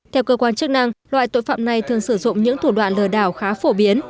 theo cơ quan chức năng loại tội phạm này thường sử dụng những thủ đoạn lừa đảo khá phổ biến